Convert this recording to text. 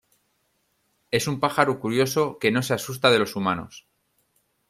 Es un pájaro curioso que no se asusta de los humanos.